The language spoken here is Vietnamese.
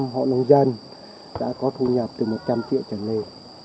một mươi năm hộ nông dân đã có thu nhập từ một trăm linh triệu trở lên